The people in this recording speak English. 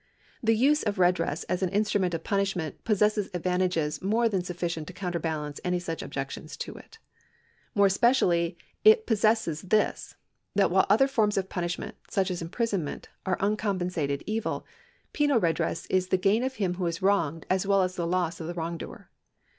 The use of redress as an instru ment of punishment possesses advantages more than suffi cient to counterbalance any such objections to it. More especially it possesses this, that while other forms of punish ment, such as imprisonment, are uncompensated evil, penal redress is the gain of him who is wronged as well as the loss of the wrongdoer.